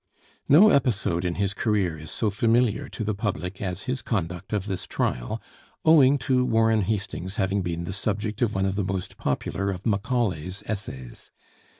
No episode in his career is so familiar to the public as his conduct of this trial, owing to Warren Hastings having been the subject of one of the most popular of Macaulay's Essays.